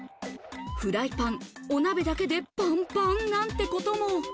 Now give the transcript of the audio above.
フライパン、お鍋だけでパンパンなんてことも。